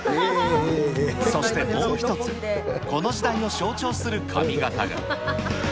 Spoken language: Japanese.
そしてもう一つ、この時代を象徴する髪形が。